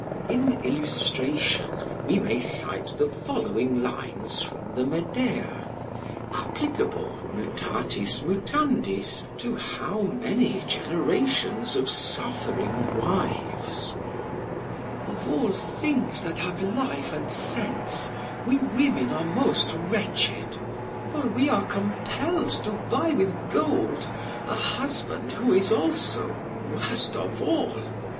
In illustration we may cite the following lines from the "Medea," applicable, mutatis mutandis, to how many generations of suffering wives? "Of all things that have life and sense we women are most wretched. For we are compelled to buy with gold a husband who is also worst of all!